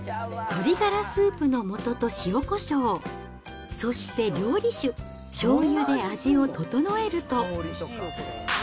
鶏がらスープのもとと塩こしょう、そして料理酒、しょうゆで味をととのえると。